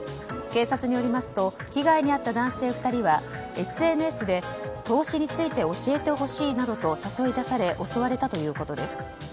警察によりますと被害に遭った男性２人はＳＮＳで投資について教えてほしいなどと誘い出され襲われたということです。